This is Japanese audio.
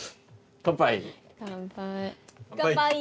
乾杯！